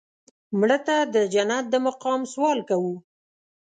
مړه ته د جنت د مقام سوال کوو